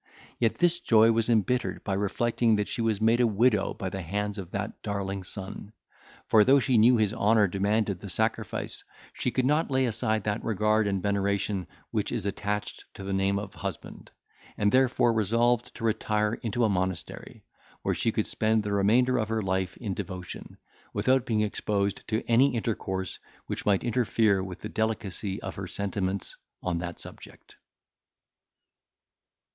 Yet this joy was embittered, by reflecting that she was made a widow by the hands of that darling son. For, though she knew his honour demanded the sacrifice, she could not lay aside that regard and veneration which is attached to the name of husband; and therefore resolved to retire into a monastery, where she could spend the remainder of her life in devotion, without being exposed to any intercourse which might interfere with the delicacy of her sentiments on that subject.